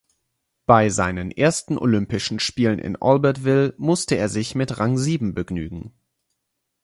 Bei seinen ersten Olympischen Spielen in Albertville musste er sich mit Rang sieben begnügen.